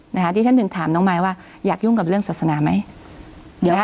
นะคะที่ฉันถึงถามน้องมายว่าอยากยุ่งกับเรื่องศาสนาไหม